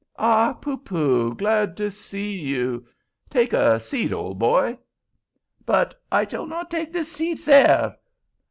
"Ah, Poopoo! glad to see you. Take a seat, old boy." "But I shall not take de seat, sare."